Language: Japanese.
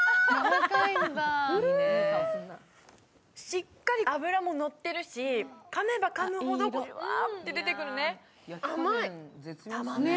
しっかり脂ものってるし、かめばかむほど、ブワーっと出てくるね。